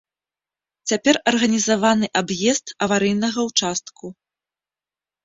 Цяпер арганізаваны аб'езд аварыйнага ўчастку.